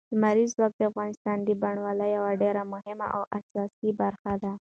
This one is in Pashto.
لمریز ځواک د افغانستان د بڼوالۍ یوه ډېره مهمه او اساسي برخه ده.